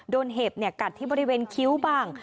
เห็บกัดที่บริเวณคิ้วบ้าง